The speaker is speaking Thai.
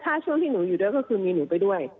ถ้าช่วงที่หนูอยู่ด้วยก็คือมีหนูไปด้วย